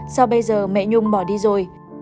sao bây giờ mẹ nhung bỏ đi rồi